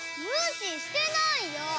むししてないよ。